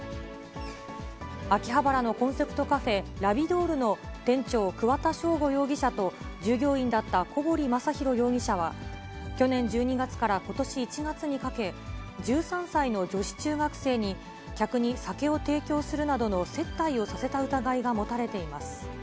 秋葉原のコンセプトカフェ、ラビドールの店長、桑田祥吾容疑者と従業員だった小堀将寛容疑者は去年１２月からことし１月にかけ、１３歳の女子中学生に客に酒を提供するなどの接待をさせた疑いが持たれています。